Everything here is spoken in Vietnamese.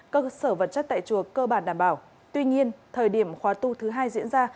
cơ sở vật chất tại chùa cơ bản đảm bảo tuy nhiên thời điểm khóa tu thứ hai diễn ra